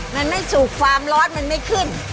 มันไม่สุกความร้อนมันไม่ขึ้น